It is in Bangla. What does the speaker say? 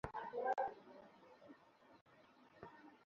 আর, কয়েক পেগ বিয়ার গিলতে পারলে তো আর কিছু চাওয়ার ছিল না!